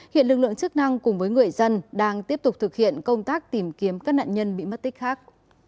hiện lực lượng chức năng cùng với người dân đang tiếp tục thực hiện công tác tìm kiếm các nạn nhân bị mất tích khác